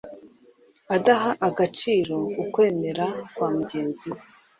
adaha agaciro ukwemera kwa mugenzi we